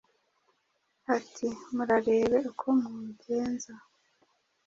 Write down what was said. ati murarebe uko mugenza